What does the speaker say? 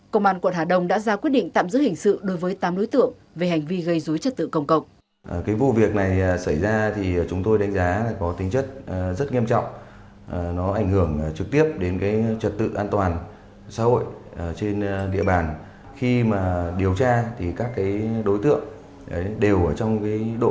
công an quận hà đông đã ra quyết định tạm giữ hình sự đối với tám đối tượng về hành vi gây rúi trật tự công cộng